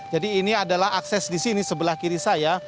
jadi ini adalah akses di sini sebelah kiri saya